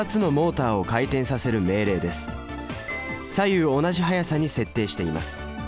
左右同じ速さに設定しています。